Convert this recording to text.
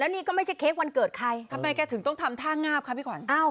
นี่ก็ไม่ใช่เค้กวันเกิดใครทำไมแกถึงต้องทำท่างาบคะพี่ขวัญ